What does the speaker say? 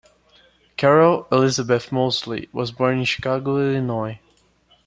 Carol Elizabeth Moseley was born in Chicago, Illinois.